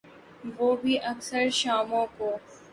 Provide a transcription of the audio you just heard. وہ بھی اکثر شاموں کو۔